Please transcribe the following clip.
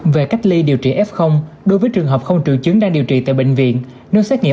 về cách ly điều trị f đối với trường hợp không trường chứng đang điều trị tại bệnh viện